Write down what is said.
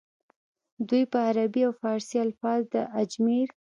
دوي به عربي او فارسي الفاظ د اجمېر